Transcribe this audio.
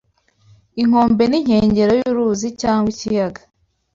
Inkombe ni inkengero y’uruzi cyangwa ikiyaga